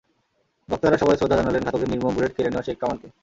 বক্তারা সবাই শ্রদ্ধা জানালেন ঘাতকের নির্মম বুলেট কেড়ে নেওয়া শেখ কামালকে।